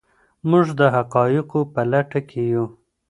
موږ د حقایقو په لټه کې یو.